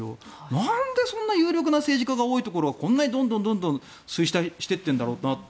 なんでそんな有力な政治家が多いところはこんなにどんどん衰退していっているんだろうと。